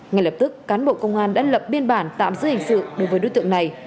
ngay lập tức cán bộ công an đã lập biên bản tạm giữ hình sự đối với đối tượng này